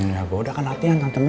ya goda kan latihan tante